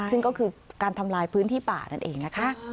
ซึ่งก็คือการทำลายพื้นที่ป่านั่นเองนะคะ